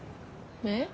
えっ？